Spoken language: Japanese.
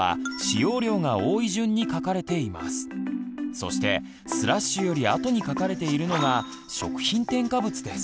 そしてスラッシュよりあとに書かれているのが食品添加物です。